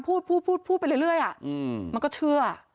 พูดพูดไปเรื่อยมันก็เชื่อ